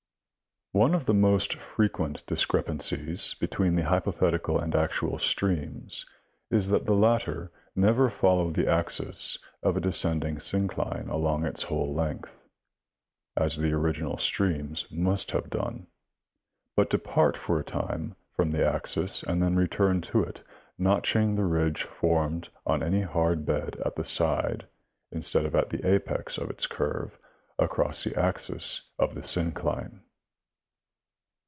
— One of the most frequent discrepancies between the hypothetical and actual streams is that the latter never follow the axis of a descend ing syncline along its whole length, as the original streams must have done, but depart for a time from the axis and then return to it, notching the ridge formed on any hard bed at the side instead of at the apex of its curve across the axis of the syncline.